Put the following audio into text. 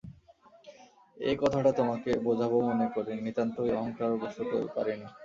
এ কথাটা তোমাকে বোঝাব মনে করি, নিতান্ত অহংকারবশতই পারিনে।